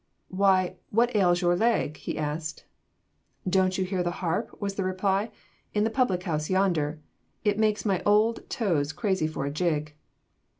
'Why, what ails your leg?' he asked. 'Don't you hear the harp,' was the reply, 'in the public house yonder? It makes my old toes crazy for a jig.'